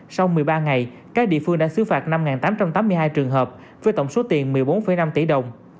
sau một mươi ba ngày các địa phương đã xứ phạt năm tám trăm tám mươi hai trường hợp với tổng số tiền một mươi bốn năm tỷ đồng